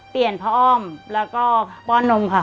เปลี่ยนพร้อมแล้วก็ป้อนนมค่ะ